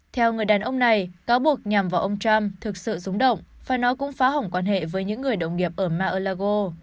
theo người đàn ông này cáo buộc nhằm vào ông trump thực sự rúng động và nó cũng phá hỏng quan hệ với những người đồng nghiệp ở mao